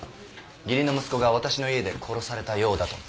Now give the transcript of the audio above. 義理の息子が私の家で殺されたようだと通報が。